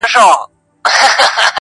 ها دی سلام يې وکړ.